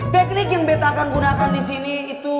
teknik yang beta akan gunakan di sini itu